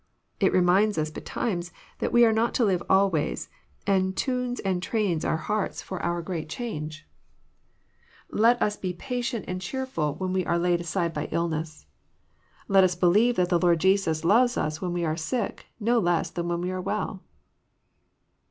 It remiuds us betimes that we are not to liye always, and tunes and trains our hearts for our great change. Then let us be patient and cheerful when we are laid aside by illness. Let us believe that the Lord Jesus loves us when we are sick no less than when we are well.